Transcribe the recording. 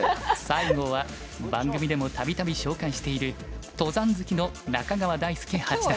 最後は番組でも度々紹介している登山好きの中川大輔八段。